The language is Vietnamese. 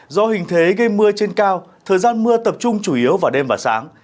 do hình thế gây mưa trên cao thời gian mưa tập trung chủ yếu vào đêm và sáng